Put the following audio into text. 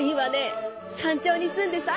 山頂に住んでさ！